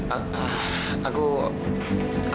aku aku sendirian ma